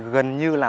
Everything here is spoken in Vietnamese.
gần như là